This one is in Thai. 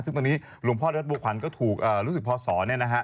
ซึ่งตอนนี้หลวงพ่อรัฐบัวขวัญก็ถูกรู้สึกพอสอเนี่ยนะฮะ